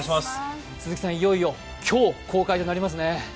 鈴木さん、いよいよ今日、公開となりますね。